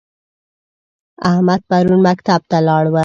احمدن پرون مکتب ته لاړ و؟